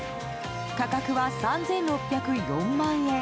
価格は、３６０４万円。